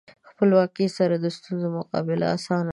خپلواکۍ سره د ستونزو مقابله اسانه ده.